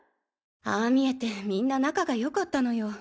ああ見えてみんな仲が良かったのよ。